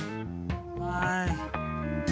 はい。